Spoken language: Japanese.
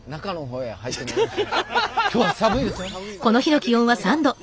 今日は寒いですよね。